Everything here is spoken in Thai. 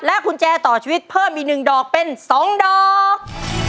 และขุนแจต่อชีวิตเพิ่มอีกหนึ่งดอกเป็นสองดอก